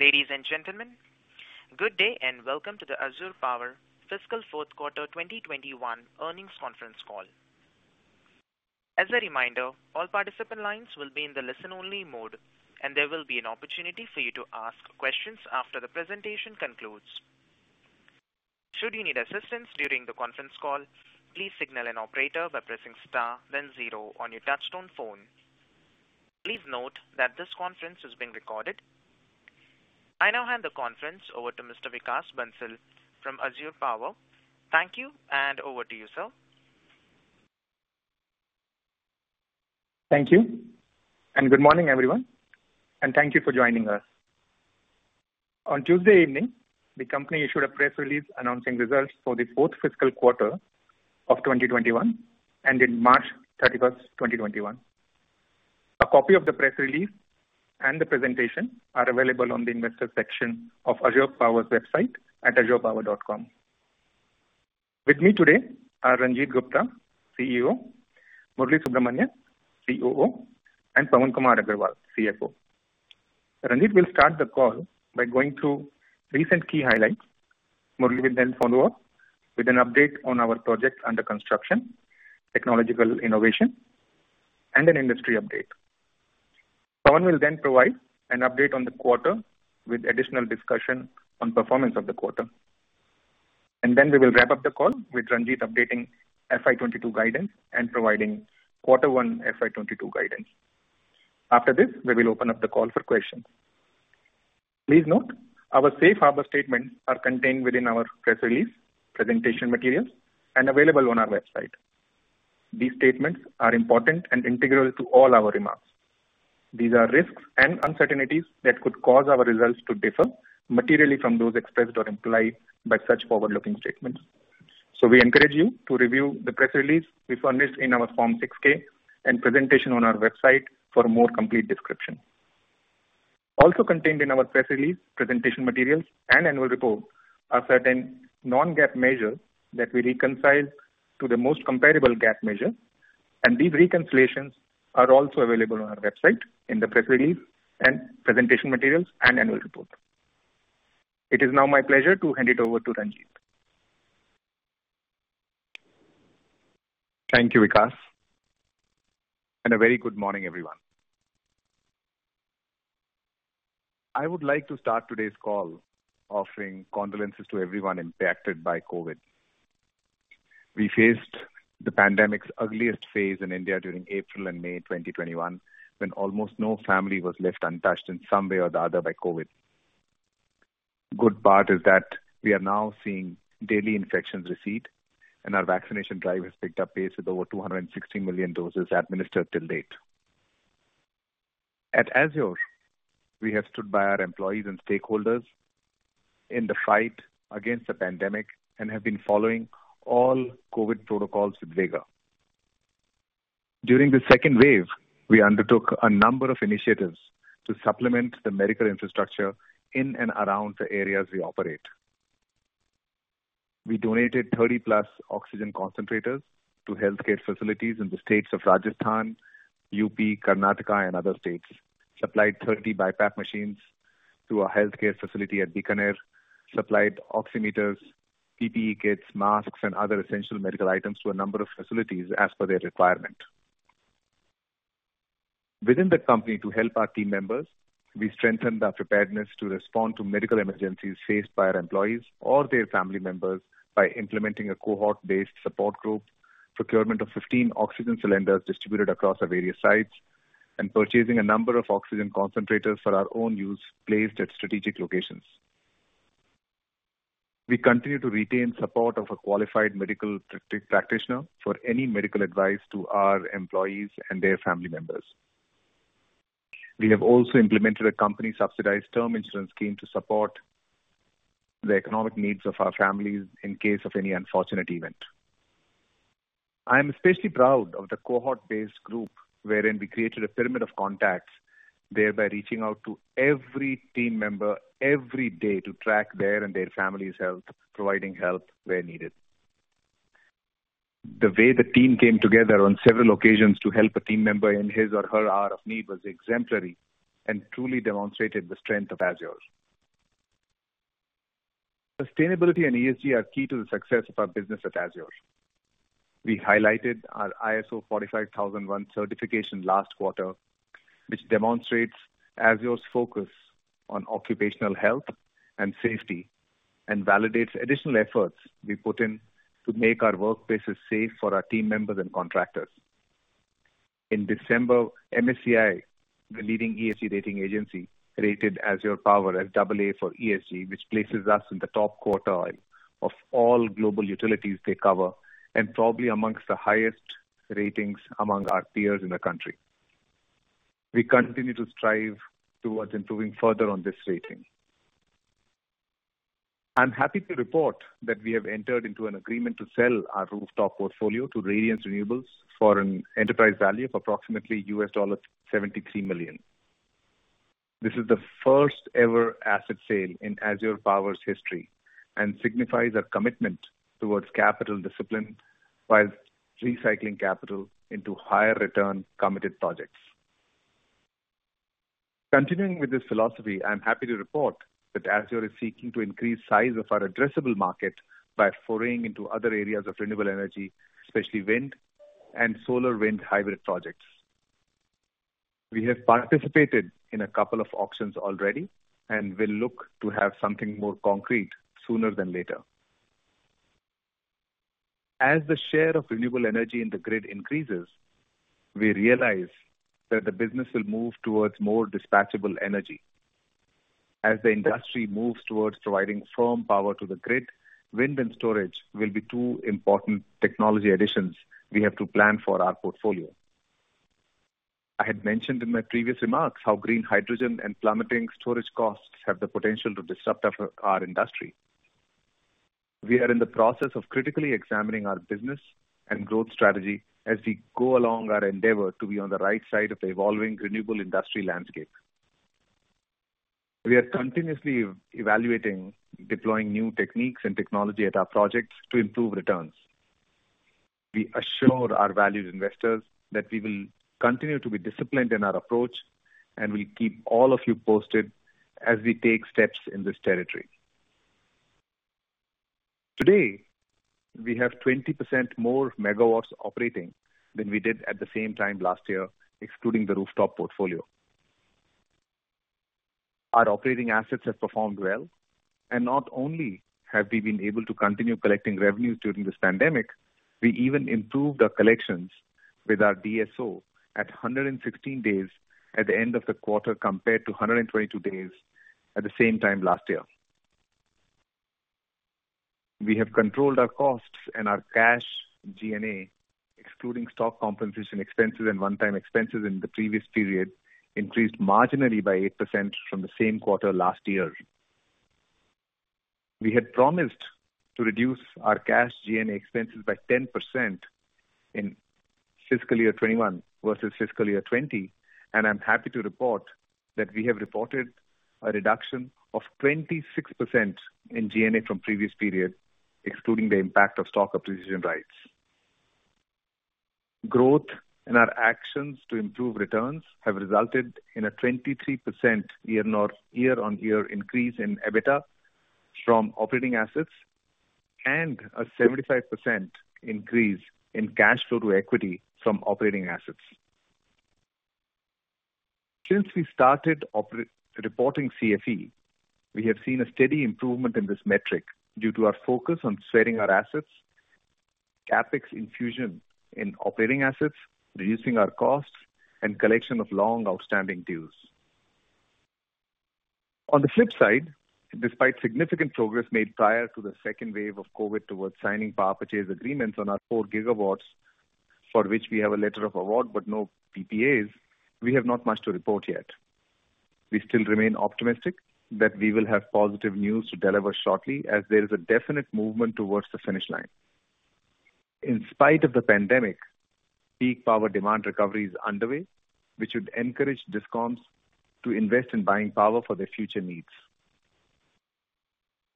Ladies and gentlemen, good day and welcome to the Azure Power Fiscal Fourth Quarter 2021 Earnings Conference Call. As a reminder, all participant lines will be in the listen only mode, and there will be an opportunity for you to ask questions after the presentation concludes. Should you need assistance during the conference call, please signal an operator by pressing star then zero on your touchtone phone. Please note that this conference is being recorded. I now hand the conference over to Mr. Vikas Bansal from Azure Power. Thank you, and over to you, sir. Thank you. And good morning, everyone, and thank you for joining us. On Tuesday evening, the company issued a press release announcing results for the fourth fiscal quarter of 2021 and ended March 31st, 2021. A copy of the press release and the presentation are available on the investor section of Azure Power's website at azurepower.com. With me today are Ranjit Gupta, CEO, Murali Subramanian, COO, and Pawan Kumar Agarwal, CFO. Ranjit will start the call by going through recent key highlights. Murali will follow up with an update on our projects under construction, technological innovation, and an industry update. Pawan will provide an update on the quarter with additional discussion on performance of the quarter. We will wrap up the call with Ranjit updating FY 2022 guidance and providing quarter one FY 2022 guidance. After this, we will open up the call for questions. Please note our safe harbor statements are contained within our press release, presentation materials, and available on our website. These statements are important and integral to all our remarks. These are risks and uncertainties that could cause our results to differ materially from those expressed or implied by such forward-looking statements. So, we encourage you to review the press release we furnished in our Form 6-K and presentation on our website for a more complete description. Also contained in our press release, presentation materials, and annual report are certain non-GAAP measures that we reconcile to the most comparable GAAP measure, and these reconciliations are also available on our website in the press release and presentation materials and annual report. It is now my pleasure to hand it over to Ranjit. Thank you, Vikas. A very good morning, everyone. I would like to start today's call offering condolences to everyone impacted by COVID. We faced the pandemic's ugliest phase in India during April and May 2021, when almost no family was left untouched in some way or the other by COVID. Good part is that we are now seeing daily infections recede, and our vaccination drive has picked up pace with over 260 million doses administered till date. At Azure, we have stood by our employees and stakeholders in the fight against the pandemic and have been following all COVID protocols with vigor. During the second wave, we undertook a number of initiatives to supplement the medical infrastructure in and around the areas we operate. We donated 30+ oxygen concentrators to healthcare facilities in the states of Rajasthan, UP, Karnataka, and other states. Supplied 30 BiPAP machines to a healthcare facility at Bikaner. Supplied oximeters, PPE kits, masks, and other essential medical items to a number of facilities as per their requirement. Within the company to help our team members, we strengthened our preparedness to respond to medical emergencies faced by our employees or their family members by implementing a cohort-based support group, procurement of 15 oxygen cylinders distributed across our various sites, and purchasing a number of oxygen concentrators for our own use placed at strategic locations. We continue to retain support of a qualified medical practitioner for any medical advice to our employees and their family members. We have also implemented a company-subsidized term insurance scheme to support the economic needs of our families in case of any unfortunate event. I am especially proud of the cohort-based group wherein we created a pyramid of contacts, thereby reaching out to every team member every day to track their and their family's health, providing help where needed. The way the team came together on several occasions to help a team member in his or her hour of need was exemplary and truly demonstrated the strength of Azure. Sustainability and ESG are key to the success of our business at Azure. We highlighted our ISO 45001 certification last quarter, which demonstrates Azure's focus on occupational health and safety and validates additional efforts we put in to make our workplaces safe for our team members and contractors. In December, MSCI, the leading ESG rating agency, rated Azure Power as AA for ESG, which places us in the top quartile of all global utilities they cover and probably amongst the highest ratings among our peers in the country. We continue to strive towards improving further on this rating. I'm happy to report that we have entered into an agreement to sell our rooftop portfolio to Radiance Renewables for an enterprise value of approximately $73 million. This is the first-ever asset sale in Azure Power's history and signifies our commitment towards capital discipline whilst recycling capital into higher return committed projects. Continuing with this philosophy, I'm happy to report that Azure is seeking to increase size of our addressable market by foraying into other areas of renewable energy, especially wind and solar wind hybrid projects. We have participated in a couple of auctions already and will look to have something more concrete sooner than later. As the share of renewable energy in the grid increases, we realize that the business will move towards more dispatchable energy. As the industry moves towards providing firm power to the grid, wind and storage will be two important technology additions we have to plan for our portfolio. I had mentioned in my previous remarks how green hydrogen and plummeting storage costs have the potential to disrupt our industry. We are in the process of critically examining our business and growth strategy as we go along our endeavor to be on the right side of the evolving renewable industry landscape. We are continuously evaluating deploying new techniques and technology at our projects to improve returns. We assure our valued investors that we will continue to be disciplined in our approach, and we'll keep all of you posted as we take steps in this territory. Today, we have 20% more MW operating than we did at the same time last year, excluding the rooftop portfolio. Our operating assets have performed well, and not only have we been able to continue collecting revenues during this pandemic, we even improved our collections with our DSO at 116 days at the end of the quarter, compared to 122 days at the same time last year. We have controlled our costs, and our cash G&A, excluding stock compensation expenses and one-time expenses in the previous period, increased marginally by 8% from the same quarter last year. We had promised to reduce our cash G&A expenses by 10% in fiscal year 2021 versus fiscal year 2020, and I'm happy to report that we have reported a reduction of 26% in G&A from previous period, excluding the impact of stock appreciation rights. Growth in our actions to improve returns have resulted in a 23% year-on-year increase in EBITDA from operating assets and a 75% increase in cash flow to equity from operating assets. Since we started reporting CFE, we have seen a steady improvement in this metric due to our focus on sweating our assets, CapEx infusion in operating assets, reducing our costs, and collection of long outstanding dues. On the flip side, despite significant progress made prior to the second wave of COVID towards signing power purchase agreements on our 4 GW, for which we have a letter of award but no PPAs, we have not much to report yet. We still remain optimistic that we will have positive news to deliver shortly, as there is a definite movement towards the finish line. In spite of the pandemic, peak power demand recovery is underway, which would encourage DISCOMs to invest in buying power for their future needs.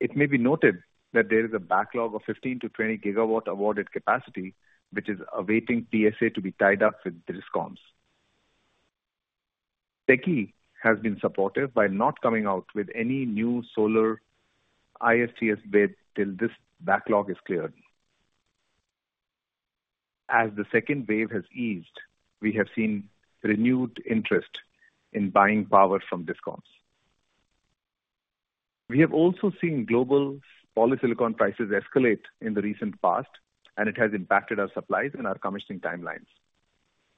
It may be noted that there is a backlog of 15-20 GW awarded capacity, which is awaiting PSA to be tied up with DISCOMs. SECI has been supportive by not coming out with any new solar ISTS bid till this backlog is cleared. As the second wave has eased, we have seen renewed interest in buying power from DISCOMs. We have also seen global polysilicon prices escalate in the recent past, and it has impacted our supplies and our commissioning timelines.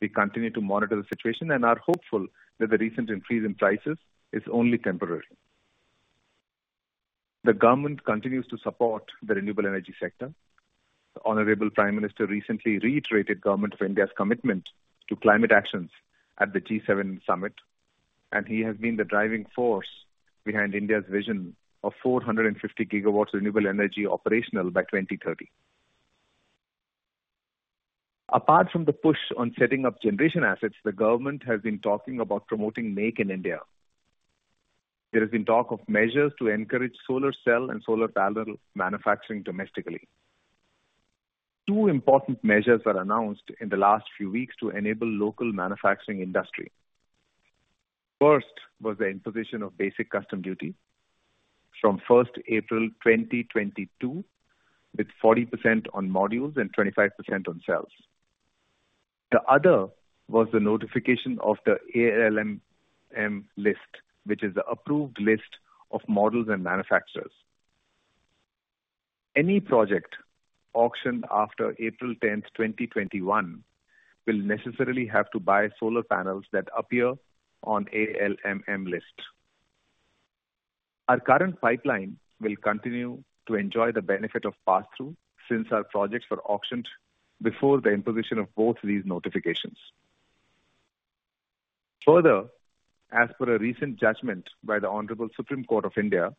We continue to monitor the situation and are hopeful that the recent increase in prices is only temporary. The government continues to support the renewable energy sector. The Honorable Prime Minister recently reiterated Government of India's commitment to climate actions at the G7 summit, and he has been the driving force behind India's vision of 450 GW renewable energy operational by 2030. Apart from the push on setting up generation assets, the government has been talking about promoting Make in India. There has been talk of measures to encourage solar cell and solar panel manufacturing domestically. Two important measures are announced in the last few weeks to enable local manufacturing industry. First was the imposition of basic custom duty from April 1st, 2022, with 40% on modules and 25% on cells. The other was the notification of the ALMM list, which is the approved list of models and manufacturers. Any project auctioned after April 10th, 2021, will necessarily have to buy solar panels that appear on ALMM list. Our current pipeline will continue to enjoy the benefit of pass-through since our projects were auctioned before the imposition of both these notifications. Further, as per a recent judgment by the Honorable Supreme Court of India.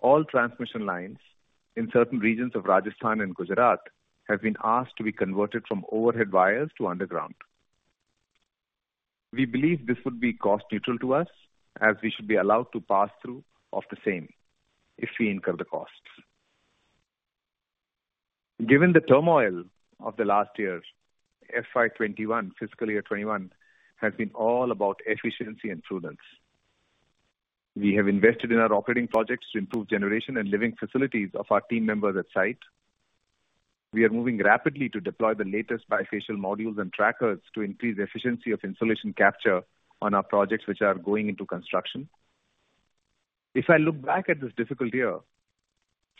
All transmission lines in certain regions of Rajasthan and Gujarat have been asked to be converted from overhead wires to underground. We believe this would be cost neutral to us as we should be allowed to pass through of the same, if we incur the costs. Given the turmoil of the last year, FY 2021, fiscal year 2021, has been all about efficiency and prudence. We have invested in our operating projects to improve generation and living facilities of our team members at site. We are moving rapidly to deploy the latest bifacial modules and trackers to increase the efficiency of insolation capture on our projects which are going into construction. If I look back at this difficult year,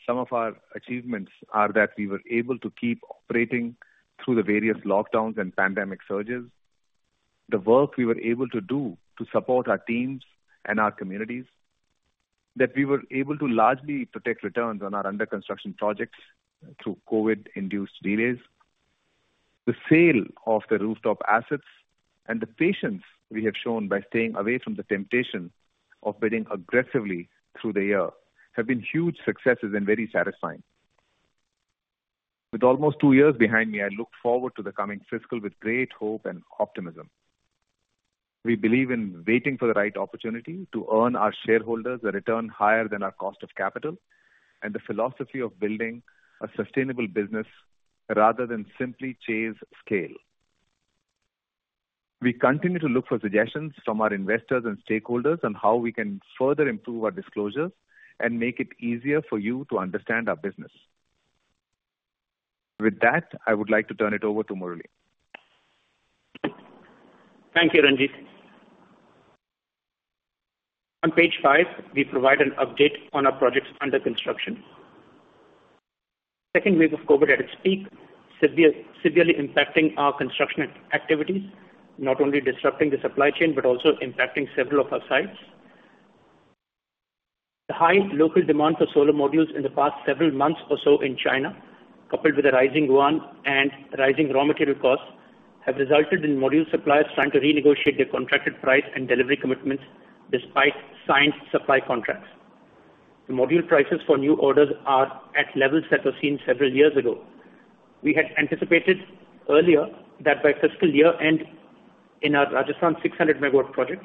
some of our achievements are that we were able to keep operating through the various lockdowns and pandemic surges. The work we were able to do to support our teams and our communities, that we were able to largely protect returns on our under-construction projects through COVID-induced delays. The sale of the rooftop assets, and the patience we have shown by staying away from the temptation of bidding aggressively through the year have been huge successes and very satisfying. With almost two years behind me, I look forward to the coming fiscal with great hope and optimism. We believe in waiting for the right opportunity to earn our shareholders a return higher than our cost of capital, and the philosophy of building a sustainable business rather than simply chase scale. We continue to look for suggestions from our investors and stakeholders on how we can further improve our disclosures and make it easier for you to understand our business. With that, I would like to turn it over to Murali. Thank you, Ranjit. On page five, we provide an update on our projects under construction. Second wave of COVID at its peak, severely impacting our construction activities, not only disrupting the supply chain, but also impacting several of our sites. The high local demand for solar modules in the past several months or so in China, coupled with a rising yuan and rising raw material costs, have resulted in module suppliers trying to renegotiate their contracted price and delivery commitments despite signed supply contracts. The module prices for new orders are at levels that were seen several years ago. We had anticipated earlier that by fiscal year end in our Rajasthan 600 MW project,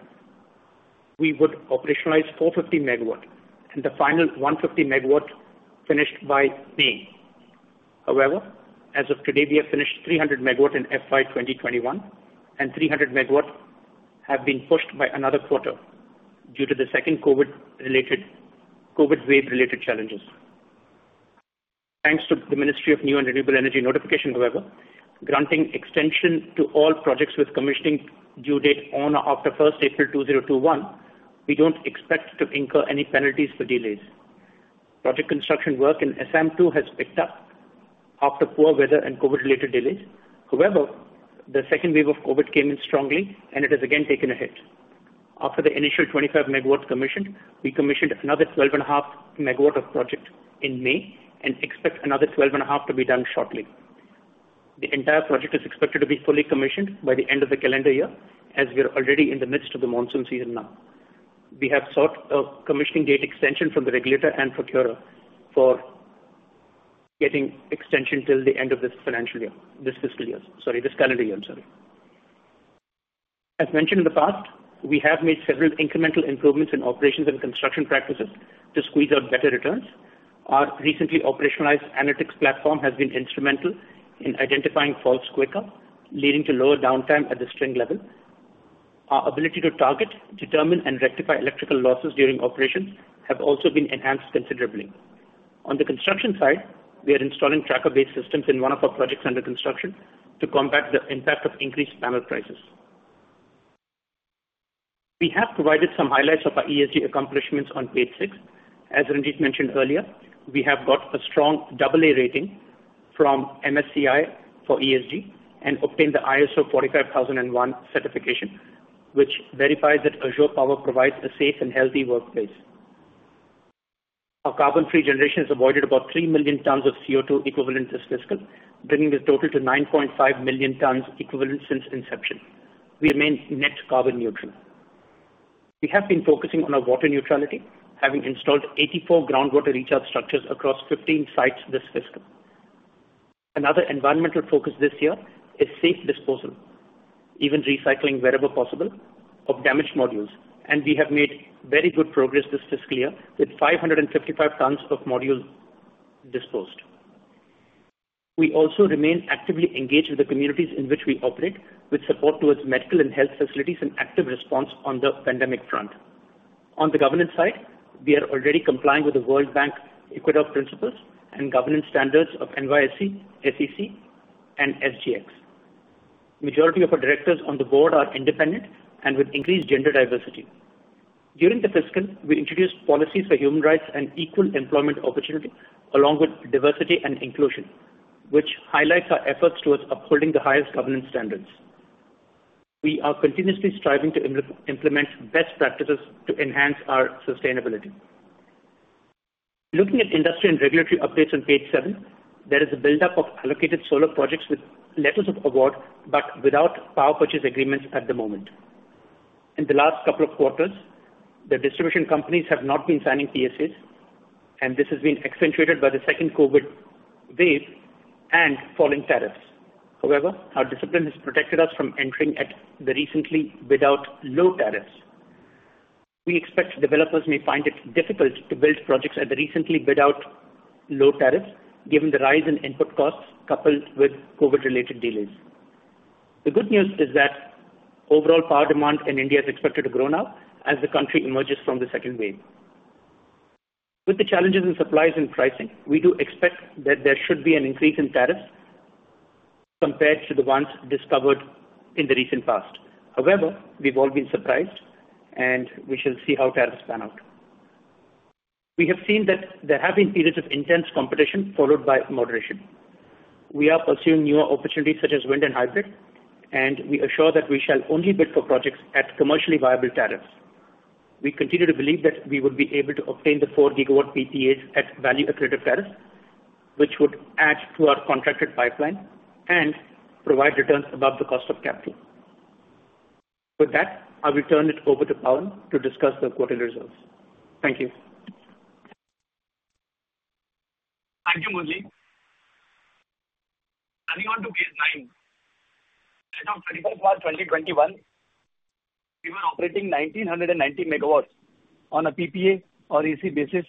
we would operationalize 450 MW and the final 150 MW finished by May. However, as of today, we have finished 300 MW in FY 2021, and 300 MW have been pushed by another quarter due to the second COVID wave-related challenges. Thanks to the Ministry of New and Renewable Energy notification, however, granting extension to all projects with commissioning due date on or after April 1st, 2021, we don't expect to incur any penalties for delays. Project construction work in SM2 has picked up after poor weather and COVID-related delays. However, the second wave of COVID came in strongly and it has again taken a hit. After the initial 25 MW commissioned, we commissioned another 12.5 MW of project in May and expect another 12.5 MW to be done shortly. The entire project is expected to be fully commissioned by the end of the calendar year, as we're already in the midst of the monsoon season now. We have sought a commissioning date extension from the regulator and procurer for getting extension till the end of this financial year. This fiscal year, sorry. This calendar year, I'm sorry. As mentioned in the past, we have made several incremental improvements in operations and construction practices to squeeze out better returns. Our recently operationalized analytics platform has been instrumental in identifying faults quicker, leading to lower downtime at the string level. Our ability to target, determine, and rectify electrical losses during operations have also been enhanced considerably. On the construction side, we are installing tracker-based systems in one of our projects under construction to combat the impact of increased panel prices. We have provided some highlights of our ESG accomplishments on page six. As Ranjit mentioned earlier, we have got a strong AA rating from MSCI for ESG and obtained the ISO 45001 certification, which verifies that Azure Power provides a safe and healthy workplace. Our carbon-free generation has avoided about 3 million tons of CO2 equivalent this fiscal, bringing the total to 9.5 million tons equivalent since inception. We remain net carbon neutral. We have been focusing on our water neutrality, having installed 84 groundwater recharge structures across 15 sites this fiscal. Another environmental focus this year is safe disposal, even recycling wherever possible, of damaged modules. We have made very good progress this fiscal year with 555 tons of modules disposed. We also remain actively engaged with the communities in which we operate, with support towards medical and health facilities and active response on the pandemic front. On the governance side, we are already complying with the World Bank Equator Principles and governance standards of NYSE, SEC, and SGX. Majority of our directors on the board are independent and with increased gender diversity. During the fiscal, we introduced policies for human rights and equal employment opportunity along with diversity and inclusion, which highlights our efforts towards upholding the highest governance standards. We are continuously striving to implement best practices to enhance our sustainability. Looking at industry and regulatory updates on page seven, there is a buildup of allocated solar projects with letters of award, but without power purchase agreements at the moment. In the last couple of quarters, the distribution companies have not been signing PSAs, and this has been accentuated by the second COVID wave and falling tariffs. However, our discipline has protected us from entering at the recently bid out low tariffs. We expect developers may find it difficult to build projects at the recently bid out low tariffs, given the rise in input costs coupled with COVID related delays. The good news is that overall power demand in India is expected to grow now as the country emerges from the second wave. With the challenges in supplies and pricing, we do expect that there should be an increase in tariffs compared to the ones discovered in the recent past. However, we've all been surprised, and we shall see how tariffs pan out. We have seen that there have been periods of intense competition followed by moderation. We are pursuing newer opportunities such as wind and hybrid, and we are sure that we shall only bid for projects at commercially viable tariffs. We continue to believe that we will be able to obtain the 4 GW PPAs at value accretive tariffs, which would add to our contracted pipeline and provide returns above the cost of capital. With that, I will turn it over to Pawan to discuss the quarterly results. Thank you. Thank you, Murali. Turning on to page nine. As of March 31st, 2021, we were operating 1,990 MW on a PPA or AC basis,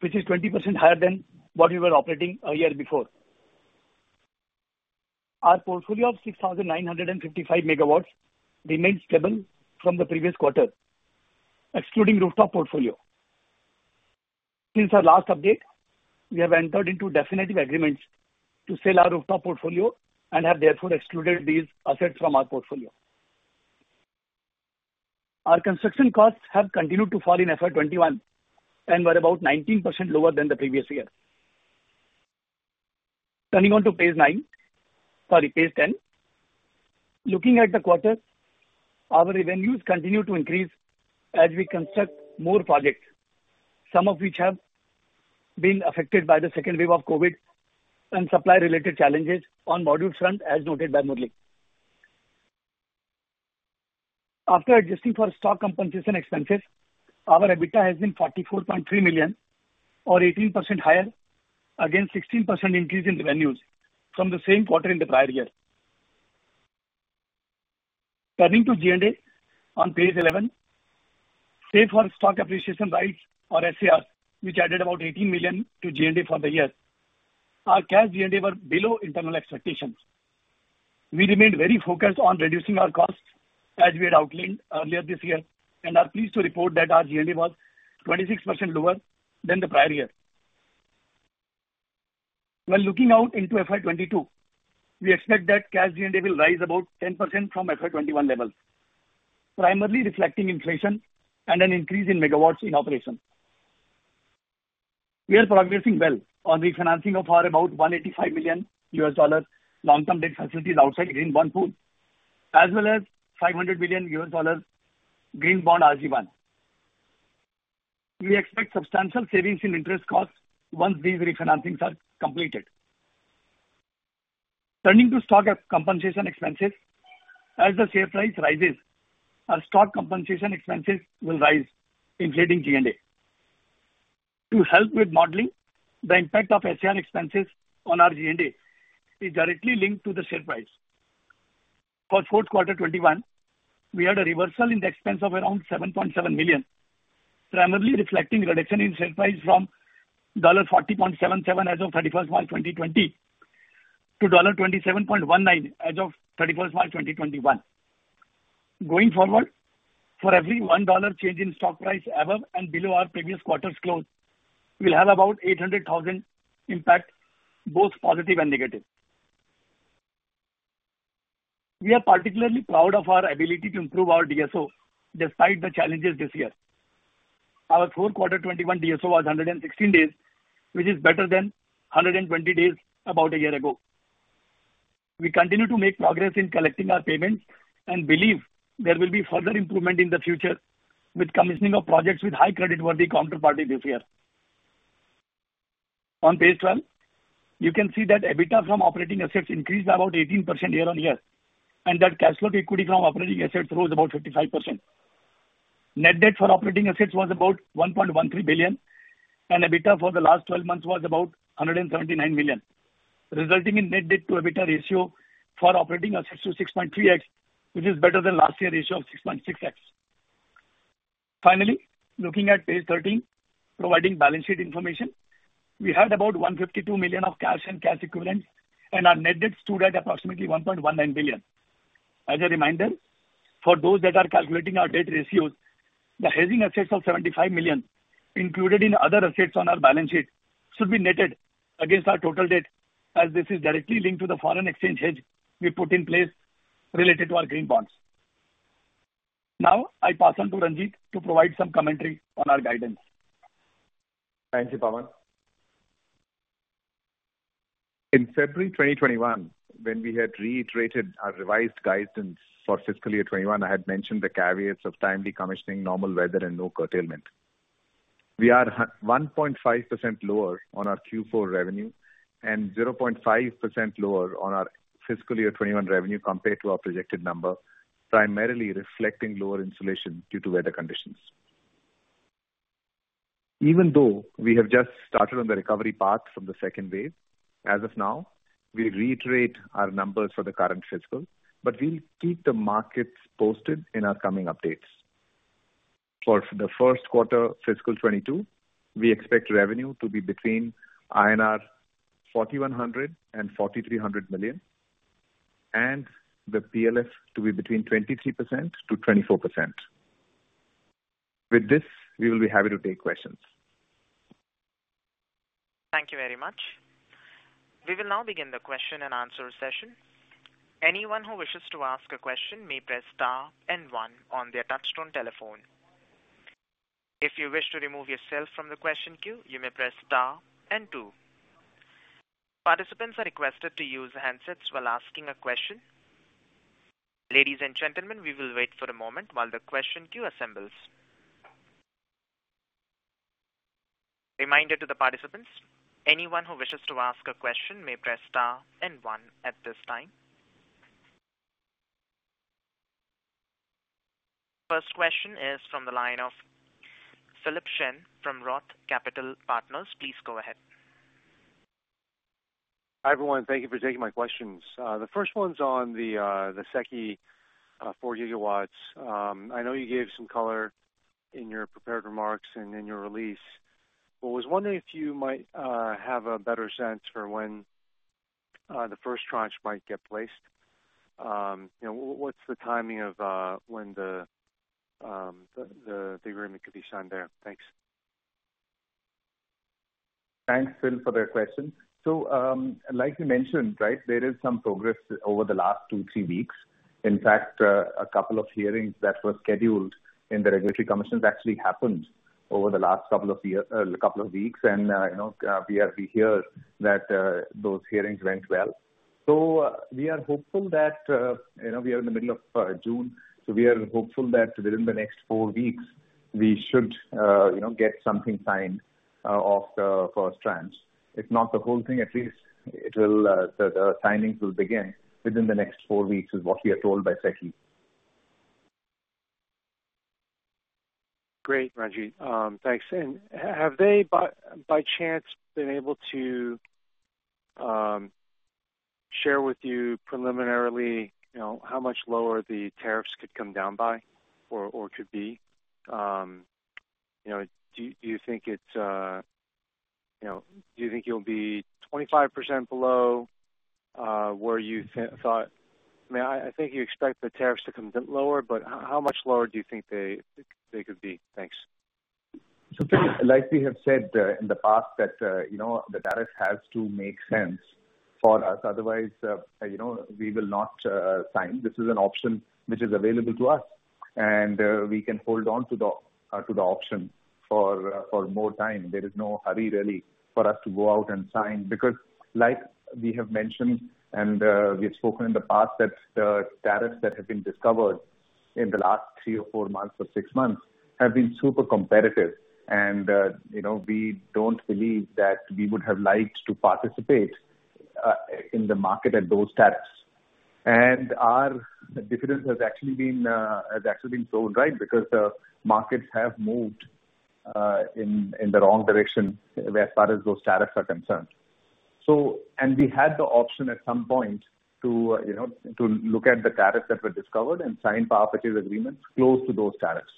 which is 20% higher than what we were operating a year before. Our portfolio of 6,955 MW remains stable from the previous quarter, excluding rooftop portfolio. Since our last update, we have entered into definitive agreements to sell our rooftop portfolio and have therefore excluded these assets from our portfolio. Our construction costs have continued to fall in FY 2021 and were about 19% lower than the previous year. Turning on to page nine. Sorry, page 10. Looking at the quarter, our revenues continue to increase as we construct more projects, some of which have been affected by the second wave of COVID and supply related challenges on module front, as noted by Murali. After adjusting for stock compensation expenses, our EBITDA has been 44.3 million or 18% higher, against 16% increase in revenues from the same quarter in the prior year. Turning to G&A on page 11. Save for stock appreciation rights or SAR, which added about 18 million to G&A for the year, our cash G&A were below internal expectations. We remained very focused on reducing our costs as we had outlined earlier this year, and are pleased to report that our G&A was 26% lower than the prior year. When looking out into FY 2022, we expect that cash G&A will rise about 10% from FY 2021 levels, primarily reflecting inflation and an increase in megawatts in operation. We are progressing well on refinancing of our about $185 million U.S. long-term debt facilities outside Green 1 Pool, as well as $500 million U.S. Green Bond RG 1. We expect substantial savings in interest costs once these refinancings are completed. Turning to stock compensation expenses. As the share price rises, our stock compensation expenses will rise, including G&A. To help with modeling, the impact of SAR expenses on our G&A is directly linked to the share price. For fourth quarter 2021, we had a reversal in the expense of around $7.7 million, primarily reflecting reduction in share price from $40.77 as of March 31st, 2020 to $27.19 as of March 31st, 2021. Going forward, for every $1 change in stock price above and below our previous quarter's close, we'll have about $800,000 impact, both positive and negative. We are particularly proud of our ability to improve our DSO despite the challenges this year. Our Q4 2021 DSO was 116 days, which is better than 120 days about a year ago. We continue to make progress in collecting our payments and believe there will be further improvement in the future with commissioning of projects with high creditworthy counterparty this year. On page 12, you can see that EBITDA from operating assets increased by about 18% year-on-year, and that cash flow to equity from operating assets rose about 55%. Net debt for operating assets was about $1.13 billion, and EBITDA for the last 12 months was about $179 million, resulting in net debt to EBITDA ratio for operating assets to 6.3x, which is better than last year's ratio of 6.6x. Finally, looking at page 13, providing balance sheet information. We had about $152 million of cash and cash equivalents, and our net debt stood at approximately $1.19 billion. As a reminder, for those that are calculating our debt ratios, the hedging assets of $75 million included in other assets on our balance sheet should be netted against our total debt as this is directly linked to the foreign exchange hedge we put in place related to our green bonds. Now, I pass on to Ranjit to provide some commentary on our guidance. Thank you, Pawan. In February 2021, when we had reiterated our revised guidance for fiscal year 2021, I had mentioned the caveats of timely commissioning, normal weather, and no curtailment. We are 1.5% lower on our Q4 revenue and 0.5% lower on our fiscal year 2021 revenue compared to our projected number, primarily reflecting lower installations due to weather conditions. Even though we have just started on the recovery path from the second wave, as of now, we reiterate our numbers for the current fiscal, but we'll keep the markets posted in our coming updates. For the first quarter fiscal 2022, we expect revenue to be between INR 4,100 million and 4,300 million, and the PLF to be between 23% to 24%. With this, we'll be happy to take questions. Thank you very much. We will now begin the question and answer session. Anyone who wishes to ask a question may press star and one on the touchtone telephone. First question is from the line of Philip Shen from Roth Capital Partners. Please go ahead. Hi, everyone. Thank you for taking my questions. The first one's on the SECI 4 GW. I know you gave some color in your prepared remarks and in your release, but was wondering if you might have a better sense for when the first tranche might get placed. What's the timing of when the agreement could be signed there? Thanks. Thanks, Phil, for that question. So, like you mentioned, right, there is some progress over the last two weeks, three weeks. In fact, a couple of hearings that were scheduled in the regulatory commissions actually happened over the last couple of weeks. We are pleased that those hearings went well. We are in the middle of June, so we are hopeful that within the next four weeks, we should get something signed of the first tranche. If not the whole thing, at least the signings will begin within the next four weeks, is what we are told by SECI. Great, Ranjit. Thanks. Have they, by chance, been able to share with you preliminarily, how much lower the tariffs could come down by or could be? Do you think you'll be 25% below where you thought? I mean, I think you expect the tariffs to come lower, how much lower do you think they could be? Thanks. So Phil, like we have said in the past that the tariff has to make sense for us, otherwise we will not sign. This is an option which is available to us, and we can hold on to the option for more time. There is no hurry really for us to go out and sign. Because like we have mentioned and we've spoken in the past, that the tariffs that have been discovered in the last three months or four months or six months have been super competitive. We don't believe that we would have liked to participate in the market at those tariffs. Our difference has actually been proven right because the markets have moved in the wrong direction as far as those tariffs are concerned. So, we had the option at some point to look at the tariffs that were discovered and sign power purchase agreements close to those tariffs.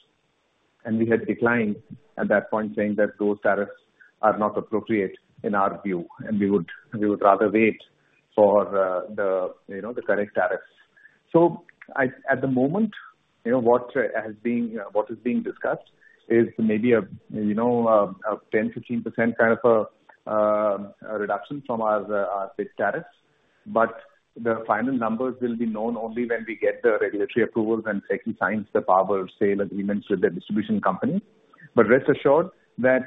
We had declined at that point, saying that those tariffs are not appropriate in our view, and we would rather wait for the correct tariff. At the moment, what is being discussed is maybe a 10%-15% kind of a reduction from our bid tariffs, but the final numbers will be known only when we get the regulatory approvals and SECI signs the power sale agreements with the distribution company. Rest assured that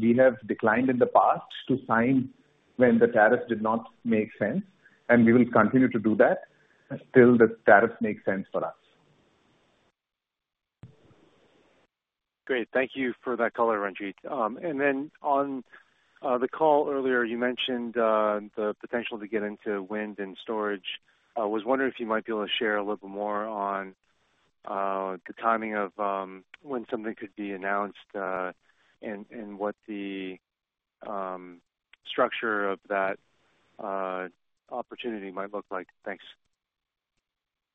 we have declined in the past to sign when the tariff did not make sense, and we will continue to do that until the tariff makes sense for us. Great. Thank you for that color, Ranjit. Then on the call earlier, you mentioned the potential to get into wind and storage. I was wondering if you might be able to share a little more on the timing of when something could be announced, and what the structure of that opportunity might look like.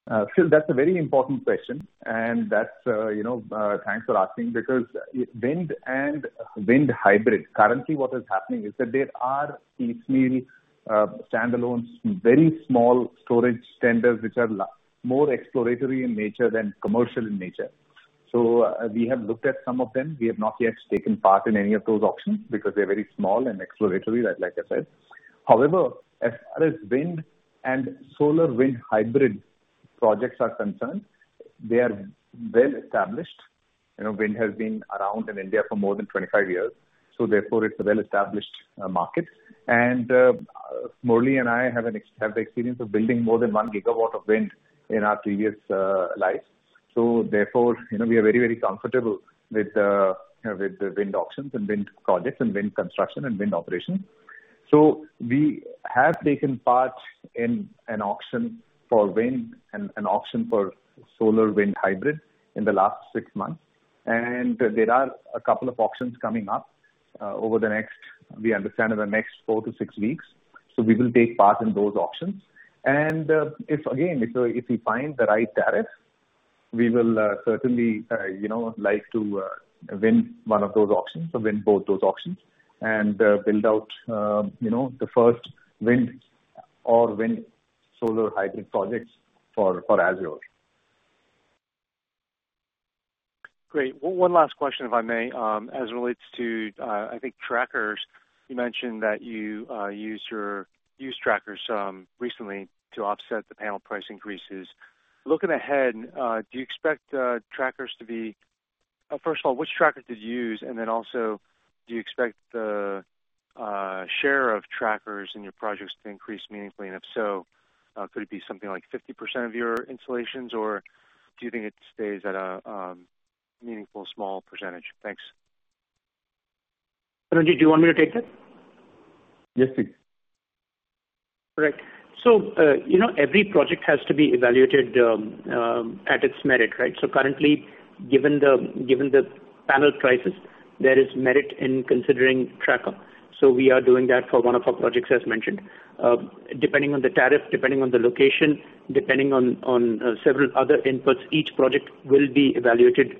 Thanks. Phil, that's a very important question and thanks for asking, because wind and wind hybrid, currently what is happening is that there are a few standalone, very small storage tenders which are more exploratory in nature than commercial in nature. So, we have looked at some of them. We have not yet taken part in any of those auctions because they're very small and exploratory, like I said. However, as far as wind and solar wind hybrid projects are concerned, they are well established. Wind has been around in India for more than 25 years. Therefore, it's a well-established market. Murali and I have experience of building more than 1 GW of wind in our previous life. Therefore, we are very comfortable with the wind options and wind projects and wind construction and wind operations. We have taken part in an auction for wind and an auction for solar wind hybrid in the last six months, and there are a couple of auctions coming up over the next, we understand, four weeks to six weeks. We will take part in those auctions. If, again, if we find the right tariff, we will certainly like to win one of those auctions or win both those auctions and build out the first wind or wind solar hybrid projects for Azure. Great. One last question, if I may. As it relates to, I think, trackers, you mentioned that you used trackers recently to offset the panel price increases. Looking ahead, first of all, which tracker did you use? Then also, do you expect the share of trackers in your projects to increase meaningfully? If so, could it be something like 50% of your installations, or do you think it stays at a meaningful small percentage? Thanks. Ranjit, do you want me to take that? Yes, please. Correct. Every project has to be evaluated at its merit, right? Currently, given the panel prices, there is merit in considering tracker. We are doing that for one of our projects, as mentioned. Depending on the tariff, depending on the location, depending on several other inputs, each project will be evaluated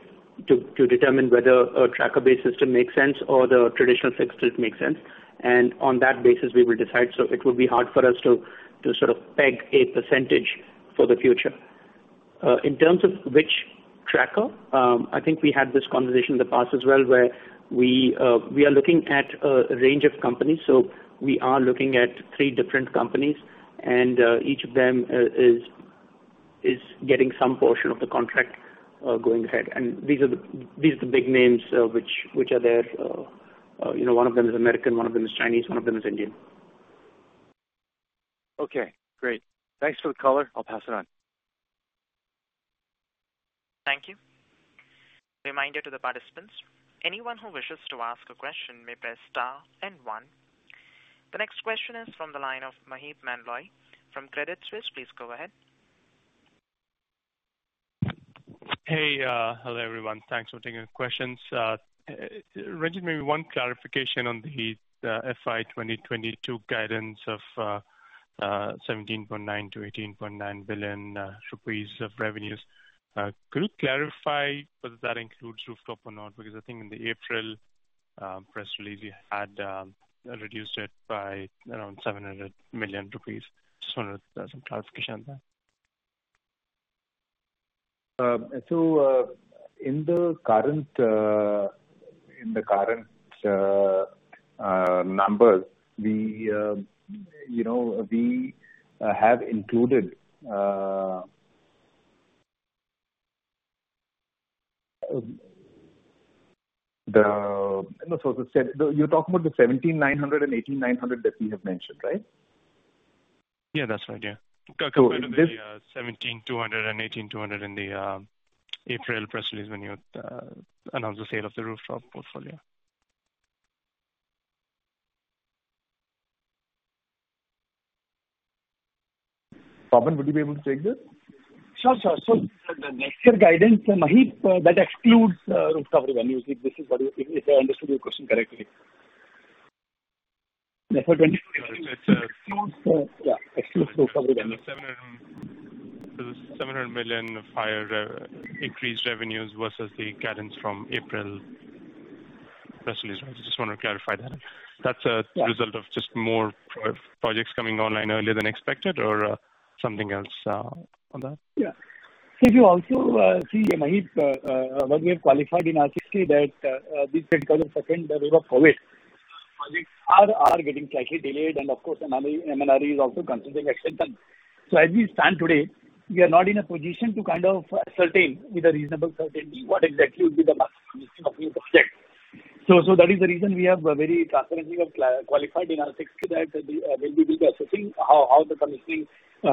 to determine whether a tracker-based system makes sense or the traditional fixed system makes sense. On that basis, we will decide. It will be hard for us to sort of peg a percentage for the future. In terms of which tracker, I think we had this conversation in the past as well, where we are looking at a range of companies. We are looking at three different companies, and each of them is getting some portion of the contract going ahead. These are the big names which are there. One of them is American, one of them is Chinese, one of them is Indian. Okay, great. Thanks for the color. I'll pass it on. Thank you. Reminder to the participants, anyone who wishes to ask a question may press star and one. The next question is from the line of Maheep Mandloi from Credit Suisse. Please go ahead. Hey. Hello, everyone. Thanks for taking the questions. Ranjit, one clarification on the FY 2022 guidance of 17.9 billion-18.9 billion rupees of revenues. Could you clarify whether that includes rooftop or not? I think in the April press release, you had reduced it by around 700 million rupees. Just some clarification on that. In the current numbers, you're talking about the 17,900 billion and 18,900 billion that we have mentioned, right? Yeah, that's right. Yeah. So this. 17,200 million and 18,200 million in the April press release when you announced the sale of the rooftop portfolio. Pawan, would you be able to take this? Sure. The next year guidance, Maheep, that excludes rooftops, if I understood your question correctly. Next year guidance excludes rooftops. The 700 million increased revenues versus the guidance from April press release. I just want to clarify that. That's a result of just more projects coming online earlier than expected or something else on that? Yeah. You also see, Maheep, when we have qualified in our Q3 that these 20 GW-30 GW of projects are getting slightly delayed and of course MNRE is also considering extension. As we stand today, we are not in a position to kind of ascertain with a reasonable certainty what exactly will be the last commission of these projects. So, that is the reason we have very transparently qualified in our Q3 that we will be assessing how the commissioning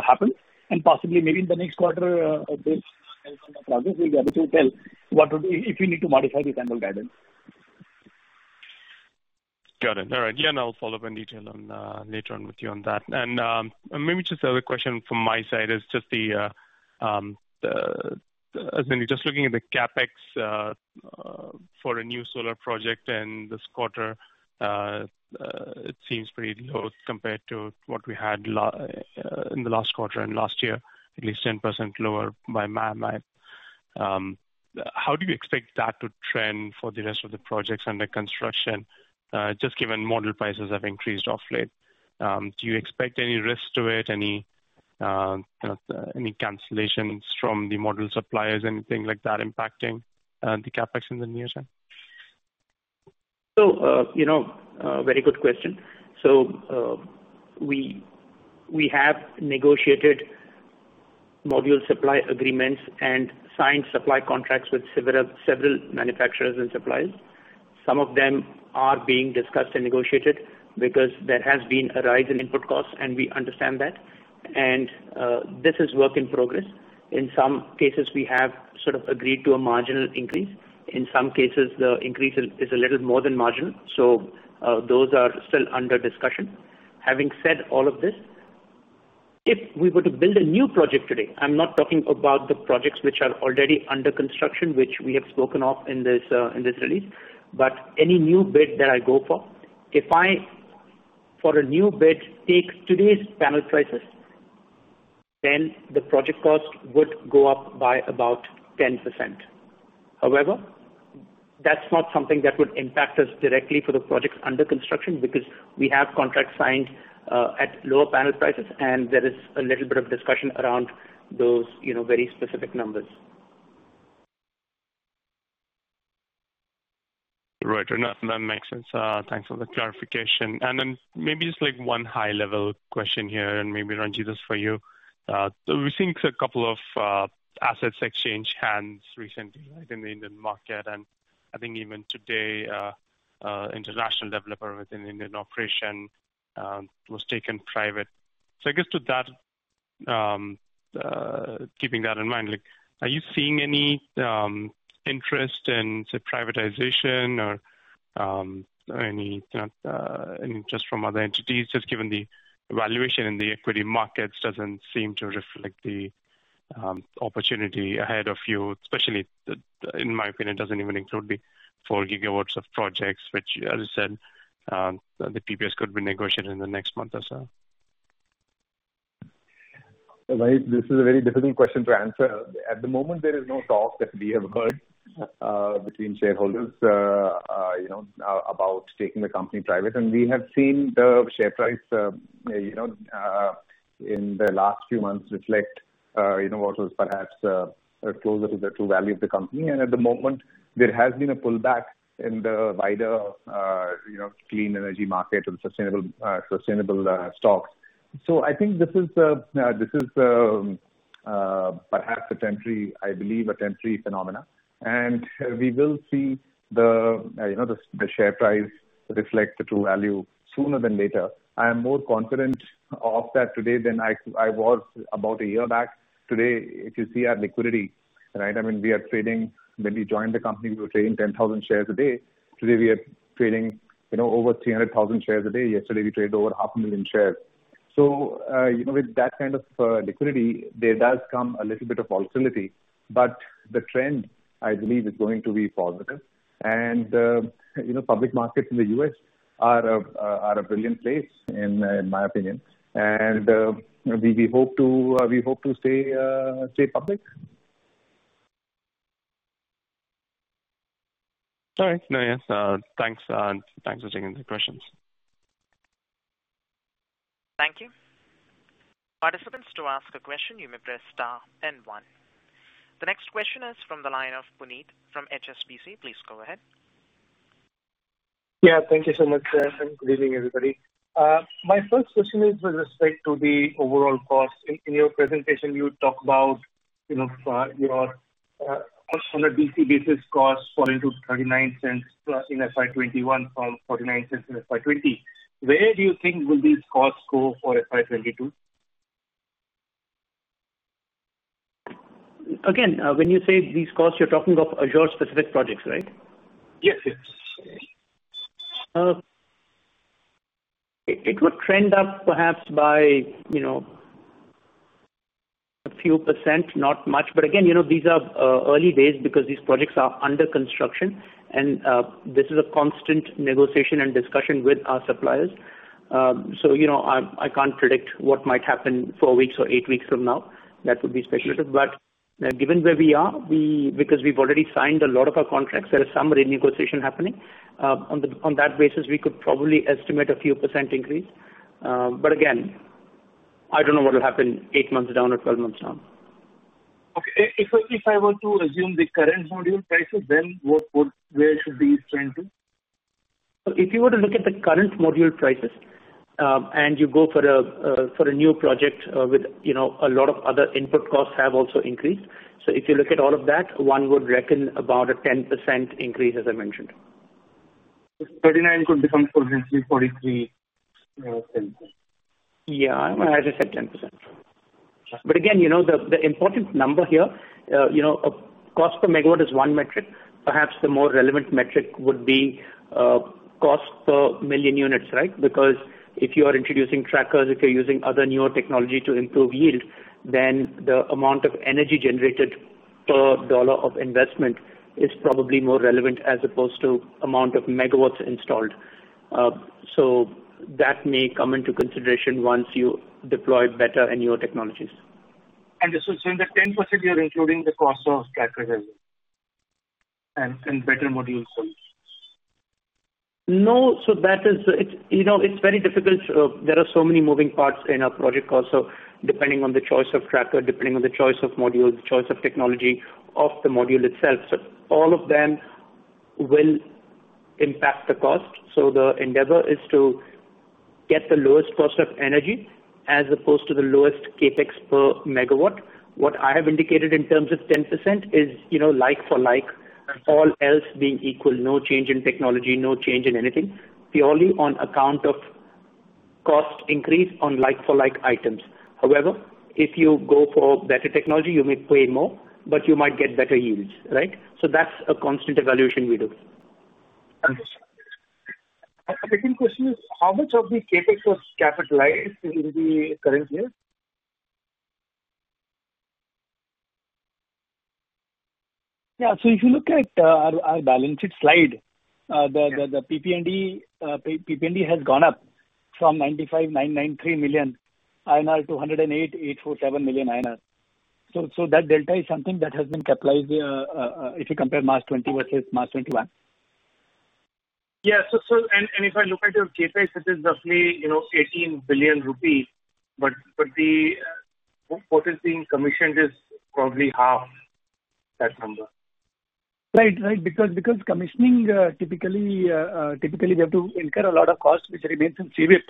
happens, and possibly maybe in the next quarter, at this point of time, we'll be able to tell if we need to modify the temporal guidance. Got it. All right. I'll follow up in detail later on with you on that. Maybe just the other question from my side is just looking at the CapEx for a new solar project in this quarter, it seems pretty low compared to what we had in the last quarter and last year, at least 10% lower by my math. How do you expect that to trend for the rest of the projects under construction, just given module prices have increased off late? Do you expect any risk to it, any cancellations from the module suppliers, anything like that impacting the CapEx in the near term? So you know, very good question. We have negotiated module supply agreements and signed supply contracts with several manufacturers and suppliers. Some of them are being discussed and negotiated because there has been a rise in input costs, and we understand that. This is work in progress. In some cases, we have sort of agreed to a marginal increase. In some cases, the increase is a little more than marginal, so those are still under discussion. Having said all of this, if we were to build a new project today, I'm not talking about the projects which are already under construction, which we have spoken of in this release, but any new bid that I go for, if I, for a new bid, take today's panel prices, then the project cost would go up by about 10%. However, that's not something that would impact us directly for the projects under construction because we have contracts signed at lower panel prices, and there is a little bit of discussion around those very specific numbers. Right. No, that makes sense. Thanks for the clarification. Then maybe just one high-level question here, and maybe, Ranjit, this is for you. We've seen a couple of assets exchange hands recently, like in the Indian market, and I think even today, an international developer with an Indian operation was taken private. I guess with that, keeping that in mind, are you seeing any interest in, say, privatization or any interest from other entities, just given the valuation in the equity markets doesn't seem to reflect the opportunity ahead of you, especially in my opinion, it doesn't even include the 4 GW of projects, which as you said, the PPAs could be negotiated in the next month or so. This is a very difficult question to answer. At the moment, there is no talk that we have heard between shareholders about taking the company private. We have seen the share price in the last few months reflect what was perhaps closer to the true value of the company. At the moment, there has been a pullback in the wider clean energy market and sustainable stocks. So, I think this is perhaps, I believe, a temporary phenomenon, and we will see the share price reflect the true value sooner than later. I am more confident of that today than I was about a year back. Today, if you see our liquidity, I mean, we are trading. When we joined the company, we were trading 10,000 shares a day. Today, we are trading over 300,000 shares a day. Yesterday, we traded over half a million shares. So, with that kind of liquidity, there does come a little bit of volatility. But the trend, I believe, is going to be positive. Public markets in the U.S. are a brilliant place, in my opinion. We hope to stay public. Sorry. No, yes. Thanks. Thanks for taking the questions. Thank you. Participants, to ask a question, you may press star then one. The next question is from the line of Puneet from HSBC. Please go ahead. Yeah. Thank you so much. Good evening, everybody. My first question is with respect to the overall cost. In your presentation, you talk about your 100 per DC MW basis cost falling to $0.39 in FY 2021 from $0.49 in FY 2020. Where do you think will these costs go for FY 2022? Again, when you say these costs, you're talking of your specific projects, right? Yes. It would trend up perhaps by you know, a few %, not much. But again, these are early days because these projects are under construction, and this is a constant negotiation and discussion with our suppliers. I can't predict what might happen four weeks or eight weeks from now. That would be speculative. Given where we are, because we've already signed a lot of our contracts, there are some renegotiation happening. On that basis, we could probably estimate a few % increase. Again, I don't know what will happen eight months down or 12 months down. Okay. If I were to assume the current module prices, then where should these trend to? If you were to look at the current module prices, and you go for a new project with a lot of other input costs have also increased. If you look at all of that, one would reckon about a 10% increase, as I mentioned. $0.39 could become potentially $0.43. Yeah, I just said 10%. Again, the important number here, cost per megawatt is 1 metric. Perhaps the more relevant metric would be cost per million units, right? Because if you are introducing trackers, if you're using other newer technology to improve yield, then the amount of energy generated per dollar of investment is probably more relevant as opposed to amount of megawatts installed. So, that may come into consideration once you deploy better and newer technologies. In the 10%, you're including the cost of tracker as well and better module costs? No. It's very difficult. There are so many moving parts in our project cost, depending on the choice of tracker, depending on the choice of module, the choice of technology of the module itself. All of them will impact the cost. The endeavor is to get the lowest cost of energy as opposed to the lowest CapEx per megawatt. What I have indicated in terms of 10% is like for like, all else being equal, no change in technology, no change in anything, purely on account of cost increase on like for like items. However, if you go for better technology, you will pay more, but you might get better yields, right? That's a constant evaluation we do. Understood. My second question is, how much of the CapEx was capitalized in the current year? If you look at our balance sheet slide, the PP&E has gone up from 95.993 million INR to 108.847 million INR. That delta is something that has been capitalized if you compare March 2020 versus March 2021. Yeah. If I look at your CapEx, it is roughly 18 billion rupees, but the portion being commissioned is probably half that number. Right. Because commissioning typically we have to incur a lot of costs which remains in CWIP,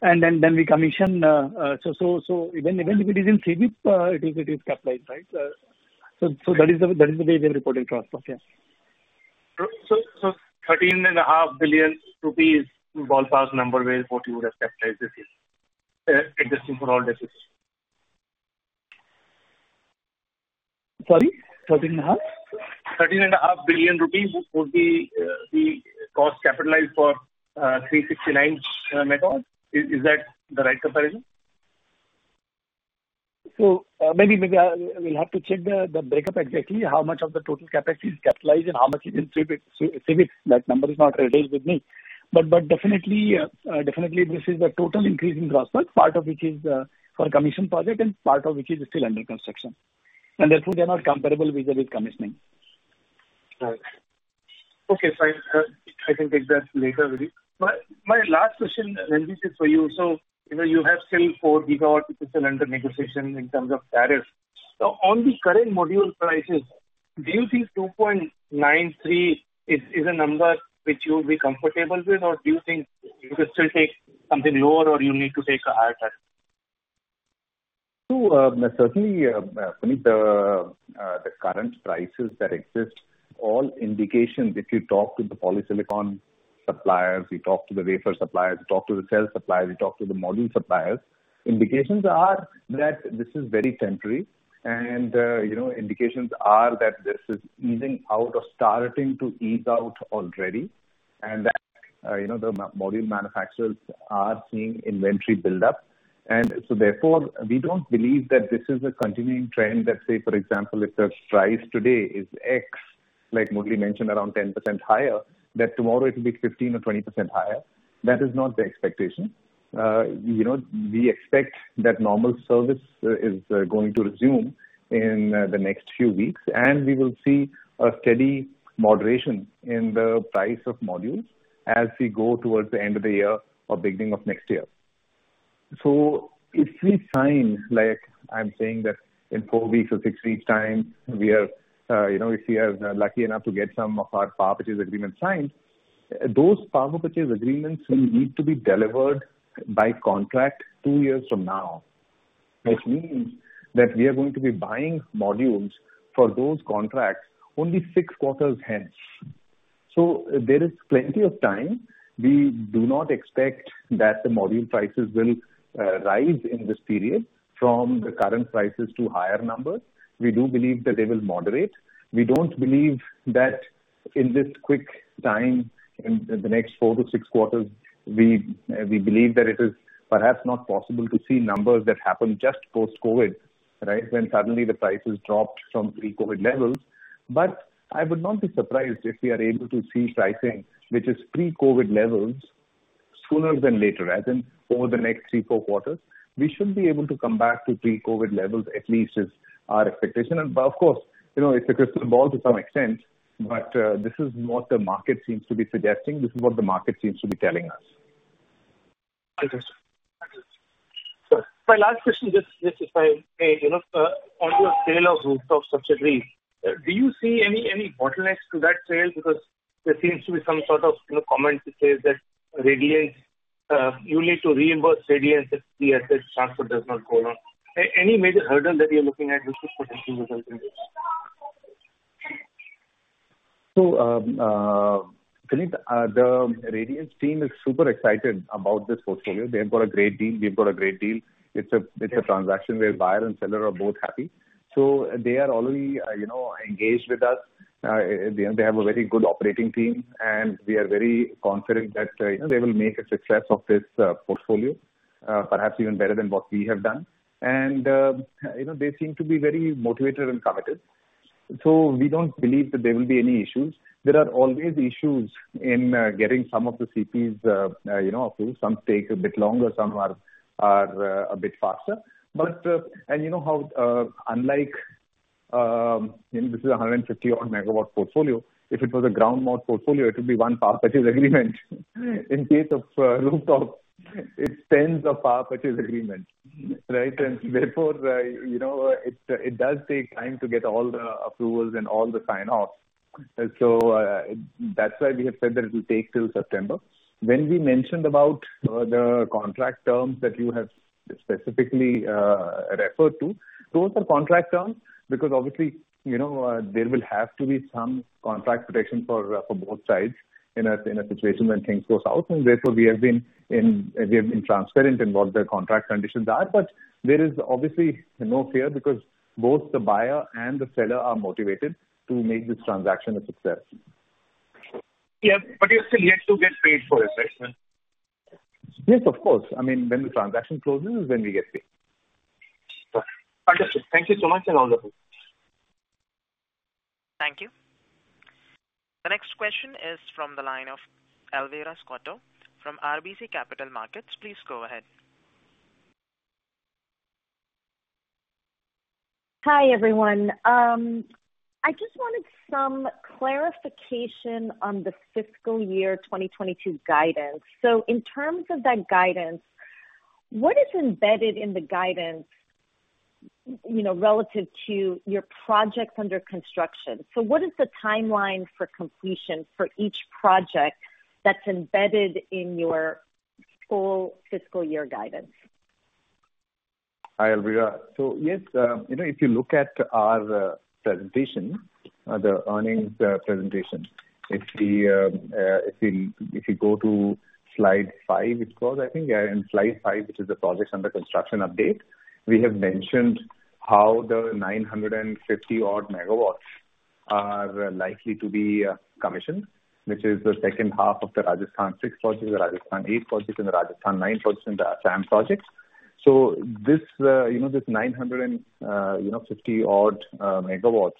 and then we commission. Even within CWIP, it is capitalized, right? That is the way they report it to us. Yes. INR 13.5 billion is a ballpark number where what you would have capitalized this is in the super all deficit. Sorry, 13.5? 13.5 billion rupees was the cost capitalized for 369 MW. Is that the right comparison? Maybe we'll have to check the breakup exactly how much of the total CapEx is capitalized and how much is in CWIP. That number is not readily with me. Definitely, this is the total increase in gross, part of which is for commission project and part of which is still under construction, and therefore they're not comparable with the commissioning. Right. Okay, fine. I can take that later with you. My last question, Ranjit, is for you. You have still 4 GW which are under negotiation in terms of tariffs. On the current module prices, do you think 2.93 is a number which you'll be comfortable with, or do you think you could still take something lower or you need to take a higher tariff? Certainly, the current prices that exist, all indications, if you talk to the polysilicon suppliers, you talk to the wafer suppliers, you talk to the cell suppliers, you talk to the module suppliers, indications are that this is very temporary. Indications are that this is easing out or starting to ease out already, and that the module manufacturers are seeing inventory build up. Therefore, we don't believe that this is a continuing trend. Let's say, for example, if the price today is X, like we mentioned, around 10% higher, that tomorrow it'll be 15% or 20% higher. That is not the expectation. We expect that normal service is going to resume in the next few weeks, and we will see a steady moderation in the price of modules as we go towards the end of the year or beginning of next year. If we sign, like I'm saying that in four weeks or six weeks' time, if we are lucky enough to get some of our power purchase agreement signed, those power purchase agreements will need to be delivered by contract two years from now. That means that we are going to be buying modules for those contracts only six quarters hence. There is plenty of time. We do not expect that the module prices will rise in this period from the current prices to higher numbers. We do believe that they will moderate. We don't believe that in this quick time, in the next four quarters to six quarters, we believe that it is perhaps not possible to see numbers that happen just post-COVID, right. When suddenly the prices dropped from pre-COVID levels. I would not be surprised if we are able to see pricing, which is pre-COVID levels sooner than later, as in over the next three quarters, four quarters. We should be able to come back to pre-COVID levels, at least is our expectation. Of course, it's a crystal ball to some extent, but this is what the market seems to be suggesting. This is what the market seems to be telling us. Understood. My last question, just if I may, on your sale of rooftops, Ranjit, do you see any bottlenecks to that sale? Because there seems to be some sort of comment to say that you need to reimburse Radiance if the asset transfer does not go well. Any major hurdle that you're looking at which could potentially result in this? Puneet, the Radiance team is super excited about this portfolio. They brought a great deal, we brought a great deal. It's a transaction where buyer and seller are both happy. They are already engaged with us. They have a very good operating team, and we are very confident that they will make a success of this portfolio, perhaps even better than what we have done. They seem to be very motivated and committed. We don't believe that there will be any issues. There are always issues in getting some of the CPs approved. Some take a bit longer, some are a bit faster. This is 150 odd MW portfolio. If it was a ground mount portfolio, it would be one power purchase agreement. In case of rooftop, it's tens of power purchase agreements. Right? Therefore, it does take time to get all the approvals and all the sign-offs. That's why we have said that it will take till September. When we mentioned about the contract terms that you have specifically referred to, those are contract terms because obviously, there will have to be some contract protection for both sides in a situation when things go south. Therefore, we have been transparent in what the contract conditions are. There is obviously no fear because both the buyer and the seller are motivated to make this transaction a success. Yes, you're still yet to get paid for it, right? Yes, of course. I mean, when the transaction closes is when we get paid. Understood. Thank you so much and all the best. Thank you. The next question is from the line of Elvira Scotto from RBC Capital Markets. Please go ahead. Hi, everyone. I just wanted some clarification on the fiscal year 2022 guidance. In terms of that guidance, what is embedded in the guidance relative to your projects under construction? What is the timeline for completion for each project that's embedded in your full fiscal year guidance? Hi, Elvira. Yes, if you look at our presentation, the earnings presentation, if you go to slide five, it was, I think, yeah, in slide five, which is the projects under construction update. We have mentioned how the 950 odd MW are likely to be commissioned, which is the second half of the Rajasthan six project, the Rajasthan eight project, and the Rajasthan nine project and the Assam projects. This 950 odd MW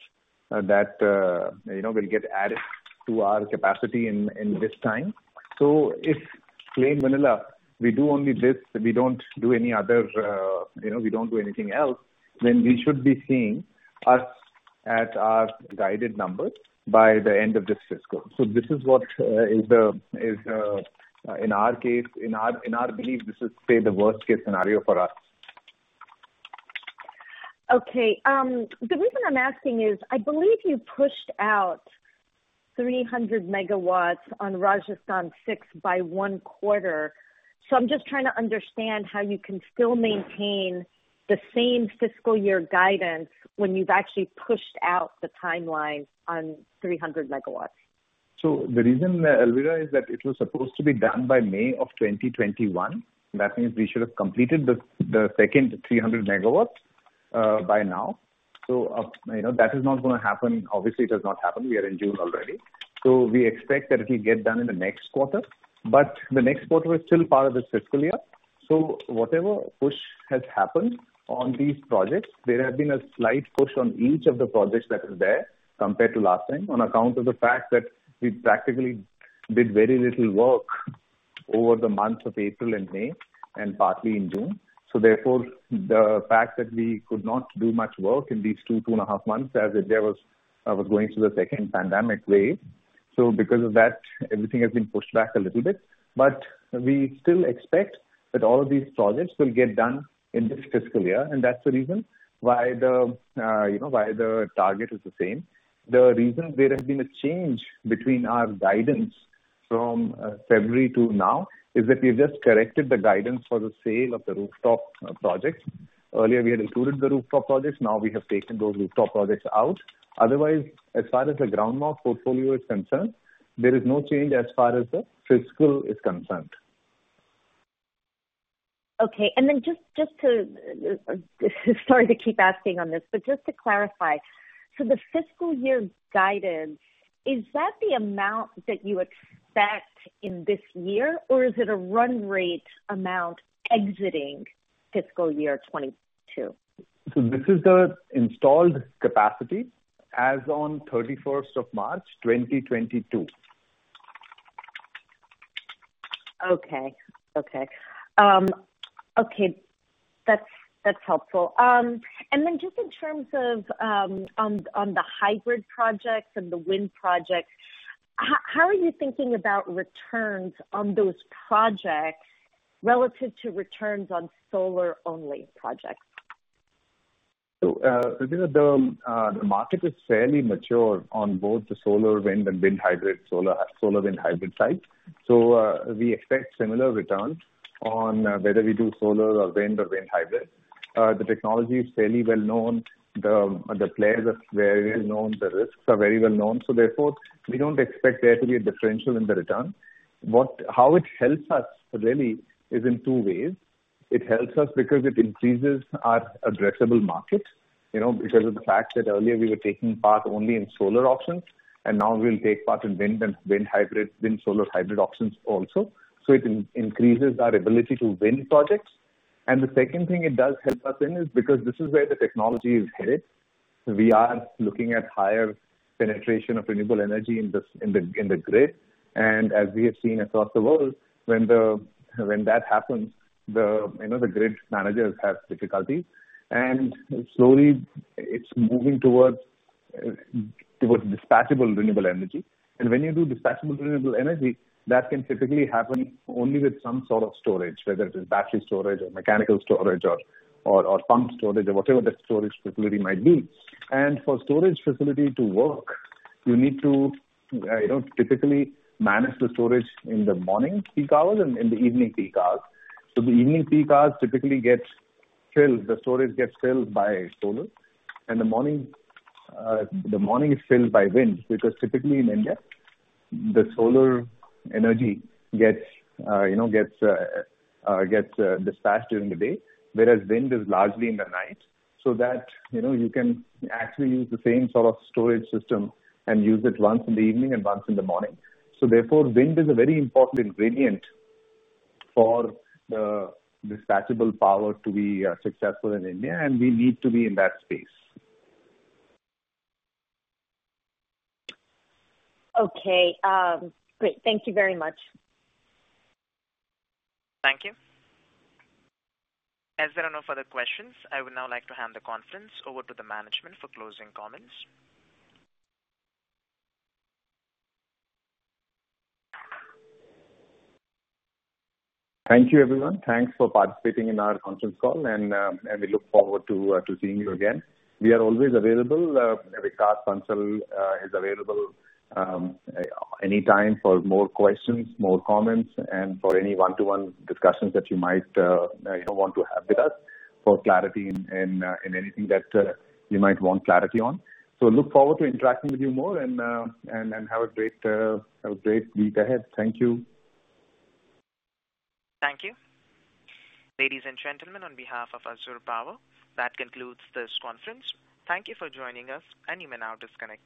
that will get added to our capacity in this time. If plain vanilla, we do only this, we don't do anything else, then we should be seeing us at our guided numbers by the end of this fiscal. This is what is, in our belief, this is, say, the worst-case scenario for us. Okay. The reason I'm asking is, I believe you pushed out 300 MW on Rajasthan six by one quarter. I'm just trying to understand how you can still maintain the same fiscal year guidance when you've actually pushed out the timeline on 300 MW. The reason, Elvira, is that it was supposed to be done by May of 2021. That means we should have completed the second 300 MW by now. That is not going to happen. Obviously, it has not happened. We are in June already. We expect that it will get done in the next quarter, but the next quarter is still part of this fiscal year. Whatever push has happened on these projects, there has been a slight push on each of the projects that is there compared to last time, on account of the fact that we practically did very little work over the months of April and May, and partly in June, therefore, the fact that we could not do much work in these 2.5 months as India was going through the second pandemic wave. Because of that, everything has been pushed back a little bit. We still expect that all these projects will get done in this fiscal year, and that's the reason why the target is the same. The reason there has been a change between our guidance from February to now is that we've just corrected the guidance for the sale of the rooftop projects. Earlier, we had included the rooftop projects, now we have taken those rooftop projects out. As far as the ground mount portfolio is concerned, there is no change as far as the fiscal is concerned. Okay. Sorry to keep asking on this, but just to clarify, the fiscal year guidance, is that the amount that you expect in this year, or is it a run rate amount exiting fiscal year 2022? This is the installed capacity as on 31st of March 2022. Okay. That's helpful. Just in terms of on the hybrid projects and the wind projects, how are you thinking about returns on those projects relative to returns on solar-only projects? Elvira, the market is fairly mature on both the solar wind and wind hybrid, solar wind hybrid side. So, we expect similar returns on whether we do solar or wind or wind hybrid. The technology is fairly well-known. The players are very well-known. The risks are very well-known. Therefore, we don't expect there to be a differential in the return. How it helps us really is in two ways. It helps us because it increases our addressable market, because of the fact that earlier we were taking part only in solar auctions, and now we'll take part in wind and wind hybrid, wind solar hybrid auctions also. It increases our ability to win projects. The second thing it does help us in is because this is where the technology is headed. We are looking at higher penetration of renewable energy in the grid. As we have seen across the world, when that happens, the grid managers have difficulty. Slowly it's moving towards. There was dispatchable renewable energy. When you do dispatchable renewable energy, that can typically happen only with some sort of storage, whether it is battery storage or mechanical storage or pump storage or whatever that storage facility might be. For storage facility to work, you need to typically manage the storage in the morning peak hours and in the evening peak hours. The evening peak hours typically gets filled, the storage gets filled by solar, and the morning is filled by wind, because typically in India, the solar energy gets dispatched during the day, whereas wind is largely in the night, so that you can actually use the same sort of storage system and use it once in the evening and once in the morning. Therefore, wind is a very important ingredient for the dispatchable power to be successful in India, and we need to be in that space. Okay. Great. Thank you very much. Thank you. As there are no further questions, I would now like to hand the conference over to the management for closing comments. Thank you, everyone. Thanks for participating in our conference call. We look forward to seeing you again. We are always available. Vikas Bansal is available anytime for more questions, more comments, for any one-to-one discussions that you might want to have with us for clarity in anything that you might want clarity on. Look forward to interacting with you more. Have a great week ahead. Thank you. Thank you. Ladies and gentlemen, on behalf of Azure Power, that concludes this conference. Thank you for joining us, and you may now disconnect.